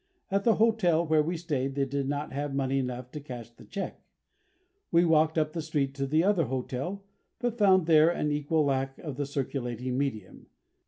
At the hotel where we stayed they did not have money enough to cash the cheque. We walked up the street to the other hotel, but found there an equal lack of the circulating medium.